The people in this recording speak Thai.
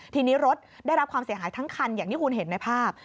ทีนี้รถได้รับความเสียหายทั้งคันอย่างที่คุณเห็นในภาพ